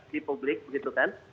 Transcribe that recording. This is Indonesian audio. di publik begitu kan